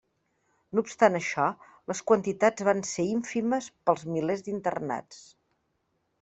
No obstant això, les quantitats van ser ínfimes pels milers d'internats.